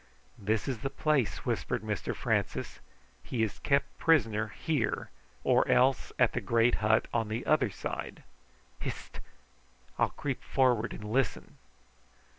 "This is the place," whispered Mr Francis. "He is kept prisoner here, or else at the great hut on the other side. Hist! I'll creep forward and listen."